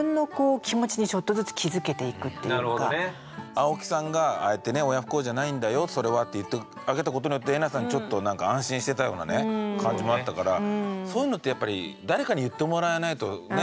青木さんがああやってね「親不孝じゃないんだよそれは」って言ってあげたことによってえなさんちょっとなんか安心してたようなね感じもあったからそういうのってやっぱり誰かに言ってもらえないとね